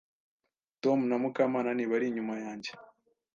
Tom na Mukamana ntibari inyuma yanjye.